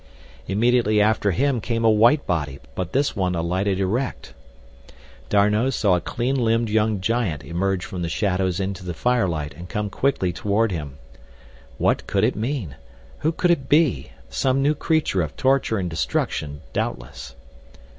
Immediately after him came a white body, but this one alighted erect. D'Arnot saw a clean limbed young giant emerge from the shadows into the firelight and come quickly toward him. What could it mean? Who could it be? Some new creature of torture and destruction, doubtless.